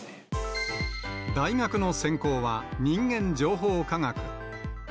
大学の専攻は、人間情報科学。